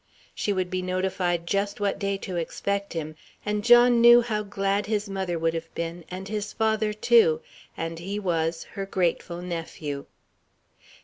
She would be notified just what day to expect him, and John knew how glad his mother would have been and his father too, and he was her grateful Nephew.